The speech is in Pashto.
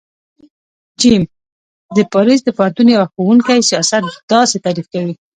ج : د پاریس د پوهنتون یوه ښوونکی سیاست داسی تعریف کوی